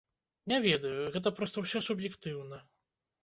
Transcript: Не ведаю, гэта проста ўсё суб'ектыўна.